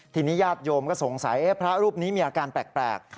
ทีนี้ญาติโยมก็สงสัยพระรูปนี้มีอาการแปลก